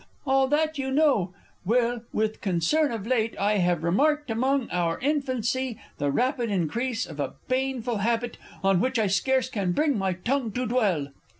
All that you know. Well; with concern of late, I have remarked among our infancy The rapid increase of a baneful habit On which I scarce can bring my tongue to dwell.